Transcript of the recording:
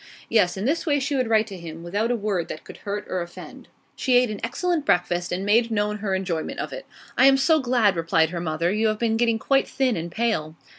Yes, in this way she would write to him, without a word that could hurt or offend. She ate an excellent breakfast, and made known her enjoyment of it. 'I am so glad!' replied her mother. 'You have been getting quite thin and pale.